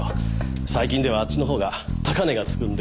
最近ではあっちの方が高値がつくんで。